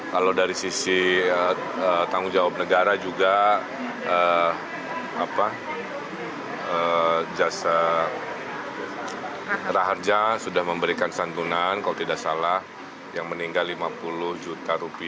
kalau dari sisi tanggung jawab negara juga jasa raharja sudah memberikan santunan kalau tidak salah yang meninggal rp lima puluh juta